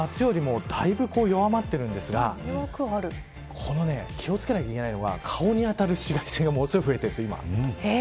夏よりもだいぶ、弱まっているんですが気を付けなきゃいけないのが顔に当たる紫外線がものすごい増えているんです。